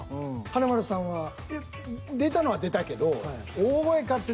華丸さんは？いや出たのは出たけど。